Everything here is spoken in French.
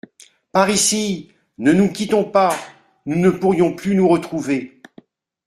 Par ici !… ne nous quittons pas ! nous ne pourrions plus nous retrouver…